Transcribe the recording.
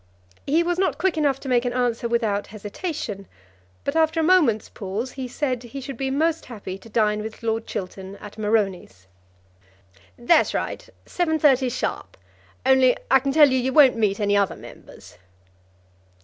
He was not quick enough to make an answer without hesitation; but after a moment's pause he said he should be most happy to dine with Lord Chiltern at Moroni's. "That's right; 7.30 sharp, only I can tell you you won't meet any other members."